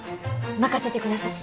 任せてください！